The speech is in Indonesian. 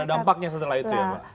ada dampaknya setelah itu ya mbak